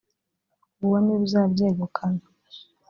uwo ni we uzabyegukana.